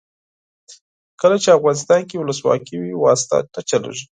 کله چې افغانستان کې ولسواکي وي واسطه نه چلیږي.